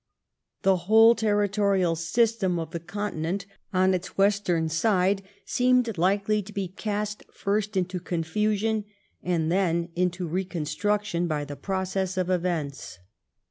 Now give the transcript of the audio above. The whole territorial system of the Continent on its western side seemed likely to be cast first into confusion and then into reconstruction by the process of events.